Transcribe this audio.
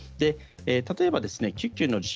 例えば救急の受診